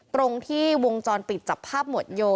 ตรงที่วงจรปิดจับภาพหมวดโย